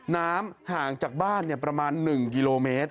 น้ำห่างจากบ้านประมาณ๑กิโลเมตร